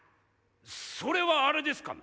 それはあれですかなえ